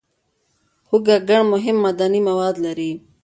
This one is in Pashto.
هوږه ګڼ مهم معدني مواد لري.